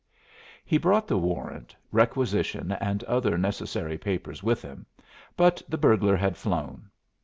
He brought the warrant, requisition, and other necessary papers with him, but the burglar had flown.